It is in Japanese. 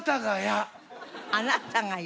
あなたがや。